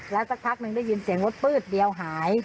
แล้วสักพักหนึ่งได้ยินเสียงรถปื๊ดเดียวหาย